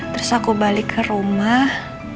terus aku balik ke rumah